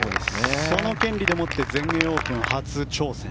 その権利でもって全英オープン初挑戦。